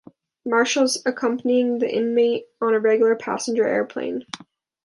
Marshals, accompanying the inmate on a regular passenger airplane.